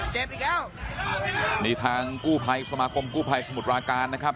เจ็บอีกแล้วถงกู้ไพรสมาคมกู้ไพรสมุทรปลาการนะครับ